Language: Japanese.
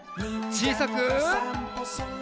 ちいさく。